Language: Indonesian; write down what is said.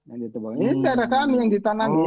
ini area kami yang ditanamin